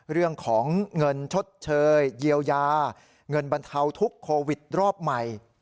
เรื่องของเงินชดเชยเยียวยาเงินบรรเทาทุกโควิดรอบใหม่